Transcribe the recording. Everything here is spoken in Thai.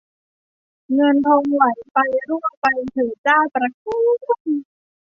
เงินทองไหลไปรั่วไปเถิดเจ้าประคู้น